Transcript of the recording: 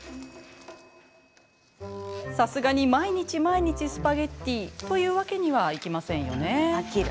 さすがに毎日毎日スパゲッティというわけにはいきませんよね。